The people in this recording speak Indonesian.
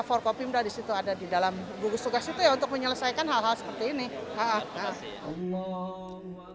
forkopim sudah di situ ada di dalam gugus tugas itu ya untuk menyelesaikan hal hal seperti ini